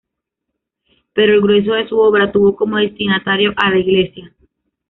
Pero el grueso de su obra tuvo como destinatario a la iglesia.